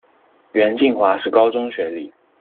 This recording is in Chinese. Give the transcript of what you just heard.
袁敬华是高中学历。